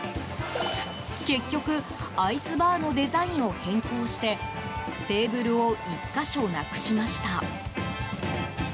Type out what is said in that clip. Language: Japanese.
結局、アイスバーのデザインを変更してテーブルを１か所なくしました。